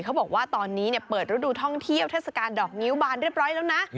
เขาบอกว่าตอนนี้เปิดฤดูท่องเที่ยวเทศกาลดอกงิ้วบานเรียบร้อยแล้วนะ